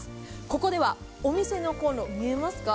ここではお店のコンロ見えますか？